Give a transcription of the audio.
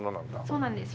そうなんです。